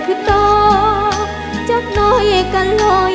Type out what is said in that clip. ภูมิสุภาพยาบาลภูมิสุภาพยาบาล